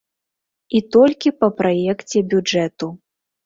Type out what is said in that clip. І толькі па праекце бюджэту.